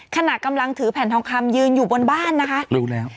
ขณะกำลังถือแผ่นทองคำยืนอยู่บนบ้านนะคะเร็วแล้ว